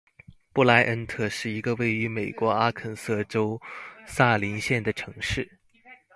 布赖恩特是一个位于美国阿肯色州萨林县的城市。